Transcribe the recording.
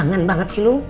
seram banget sih lu